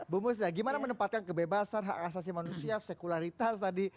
bumus gimana menempatkan kebebasan hak asasi manusia sekularitas tadi